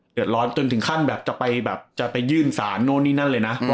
เดือดร้อนจนจะถึงขั้นไปยื่นสราโนนี่นั่นเลยนะ